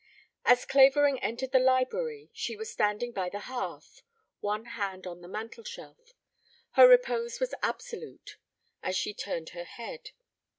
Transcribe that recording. As Clavering entered the library she was standing by the hearth, one hand on the mantelshelf. Her repose was absolute as she turned her head.